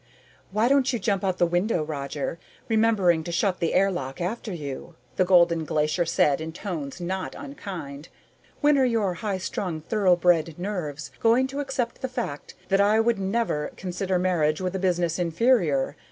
"Why don't you jump out the window, Roger, remembering to shut the airlock after you?" the Golden Glacier said in tones not unkind. "When are your high strung, thoroughbred nerves going to accept the fact that I would never consider marriage with a business inferior?